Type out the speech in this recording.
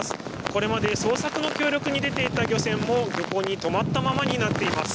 これまで捜索の協力に出ていた漁船もここに止まったままになっています。